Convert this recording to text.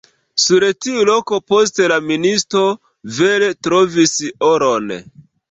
Sur tiu loko poste la ministo vere trovis oron.